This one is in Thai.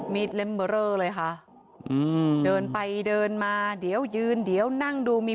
มีดเลยค่ะอืมเดินไปเดินมาเดี๋ยวยืนเดี๋ยวนั่งดูมี